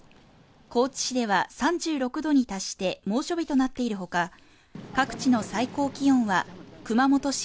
高知市では３６度に達して猛暑日となっているほか各地の最高気温は熊本市